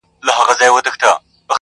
• پربت باندي يې سر واچوه.